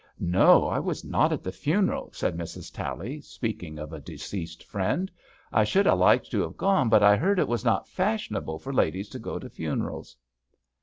" No, I was not at the funeral," said Mrs. Tally, speaking of a deceased friend, " I should ha' liked to have gone, but I heard it was not fashionable for ladies to go to fiinerals."